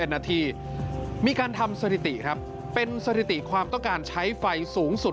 นาทีมีการทำสถิติครับเป็นสถิติความต้องการใช้ไฟสูงสุด